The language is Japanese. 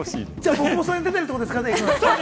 東宝さんに出てるってことですかね？